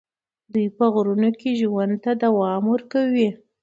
دوی په غرونو کې ژوند ته دوام ورکوي.